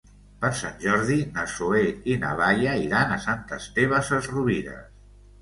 Per Sant Jordi na Zoè i na Laia iran a Sant Esteve Sesrovires.